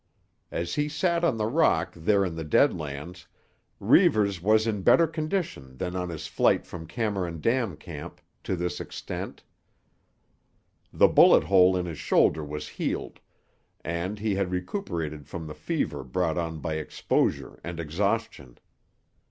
As he sat on the rock there in the Dead Lands, Reivers was in better condition than on his flight from Cameron Dam Camp to this extent: the bullet hole in his shoulder was healed, and, he had recuperated from the fever brought on by exposure and exhaustion.